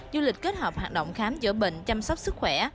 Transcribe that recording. du lịch kết hợp hoạt động khám chữa bệnh chăm sóc sức khỏe